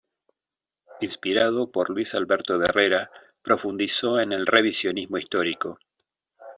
Inspirado por Luis Alberto de Herrera, profundizó en el revisionismo histórico.